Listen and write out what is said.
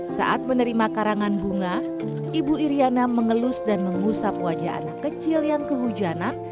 saat menerima karangan bunga ibu iryana mengelus dan mengusap wajah anak kecil yang kehujanan